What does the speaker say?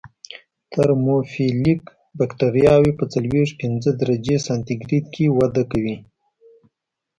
ترموفیلیک بکټریاوې په څلویښت پنځه درجې سانتي ګراد کې وده کوي.